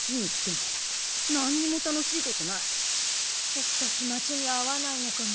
ボクたち町に合わないのかも。